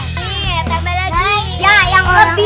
ini tambah lagi